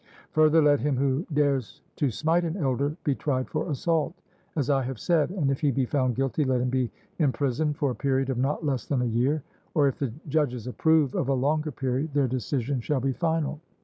Further, let him who dares to smite an elder be tried for assault, as I have said, and if he be found guilty, let him be imprisoned for a period of not less than a year, or if the judges approve of a longer period, their decision shall be final.